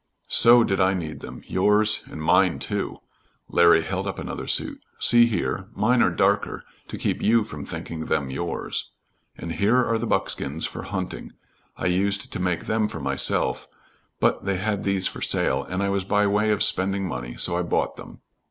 "So did I need them yours and mine, too." Larry held up another suit, "See here. Mine are darker, to keep you from thinking them yours. And here are the buckskins for hunting. I used to make them for myself, but they had these for sale, and I was by way of spending money, so I bought them.